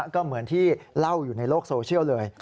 ก็เหมือนที่เล่าอยู่ในโลกโซเชียลเลย